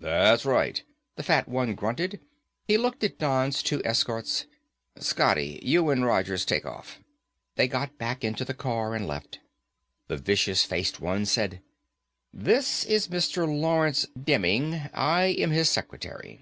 "That's right," the fat one grunted. He looked at Don's two escorts. "Scotty, you and Rogers take off." They got back into the car and left. The vicious faced one said, "This is Mr. Lawrence Demming. I am his secretary."